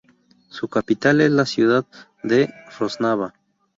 Su capital es la ciudad de Rožňava.